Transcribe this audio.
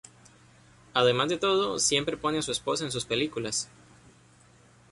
Además de todo siempre pone a su esposa en sus películas.